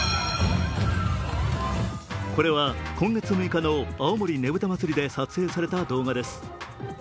これは今月６日の青森ねぶた祭で撮影された動画です。